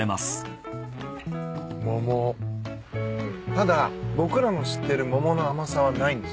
ただ僕らの知ってる桃の甘さはないんです。